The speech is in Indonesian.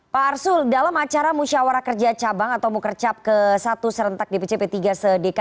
pak arsul dalam acara musyawarah kerja cabang atau mukercap ke satu serentak dpc p tiga sedeka